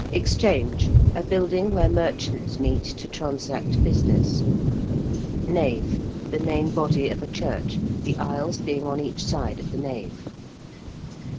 ~Exchange~: a building where merchants meet to transact business. ~nave~: the main body of a church, the aisles being on each side of the nave.